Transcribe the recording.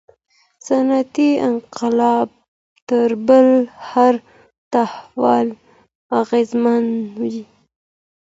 صنعتي انقلاب تر بل هر تحول اغیزمن و.